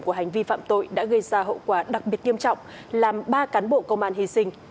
của hành vi phạm tội đã gây ra hậu quả đặc biệt nghiêm trọng làm ba cán bộ công an hy sinh